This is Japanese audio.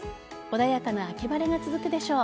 穏やかな秋晴れが続くでしょう。